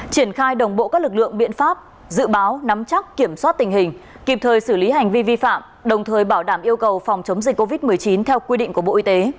triển khai đồng bộ các lực lượng biện pháp dự báo nắm chắc kiểm soát tình hình kịp thời xử lý hành vi vi phạm đồng thời bảo đảm yêu cầu phòng chống dịch covid một mươi chín theo quy định của bộ y tế